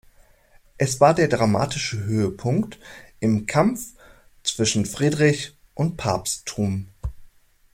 Es war der dramatische Höhepunkt im Kampf zwischen Friedrich und Papsttum.